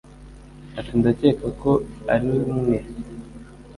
Ati Ndakeka ko ari umwe